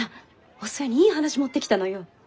お寿恵にいい話持ってきたのよ。